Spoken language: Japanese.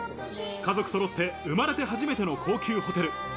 家族そろって生まれて初めての高級ホテル。